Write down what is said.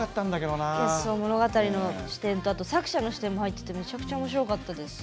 物語の視点と作者の視点も入っててめちゃくちゃおもしろかったです。